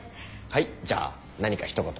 はいじゃあ何かひと言。